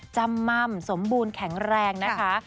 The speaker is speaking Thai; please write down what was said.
จำม่ำสมบูรณ์แข็งแรงนะคะ